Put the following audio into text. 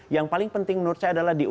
yang paling penting menurut saya adalah di